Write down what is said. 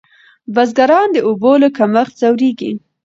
بزګران د اوبو له کمښت ځوریږي.